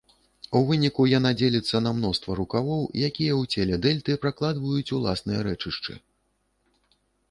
У выніку яна дзеліцца на мноства рукавоў, якія ў целе дэльты пракладваюць уласныя рэчышчы.